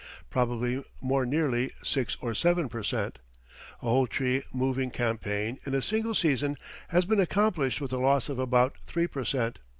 probably more nearly 6 or 7 per cent. A whole tree moving campaign in a single season has been accomplished with a loss of about 3 per cent.